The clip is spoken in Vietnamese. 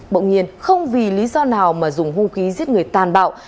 bộng nhiên không vì lý do nào mà dùng hưu khí giết người tàn bạo